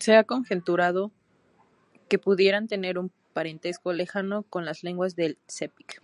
Se ha conjeturado que pudieran tener un parentesco lejano con las lenguas del Sepik.